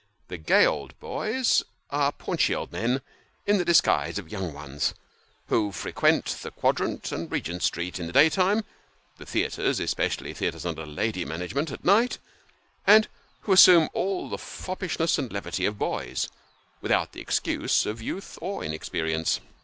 The gay old boys, are paunchy old men in the disguise of young ones, who frequent tho Quadrant and Regent Street in the day time : the theatres (especially theatres under lady management) at night ; and who assume all the foppishness and levity of boys, without the excuse of youth or inexperience.